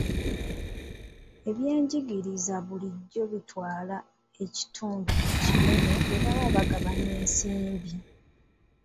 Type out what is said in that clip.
Ebyenjigiriza bulijjo bitwala ekitundu ekinene bwe baba bagabanya ensimbi.